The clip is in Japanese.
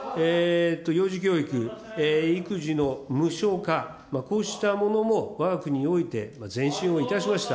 幼児教育、育児の無償化、こうしたものもわが国において前進をいたしました。